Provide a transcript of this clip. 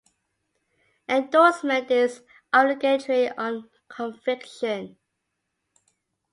Endorsement is obligatory on conviction.